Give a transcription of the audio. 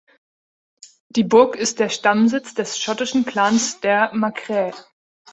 Die Burg ist der Stammsitz des schottischen Clans der Macrae.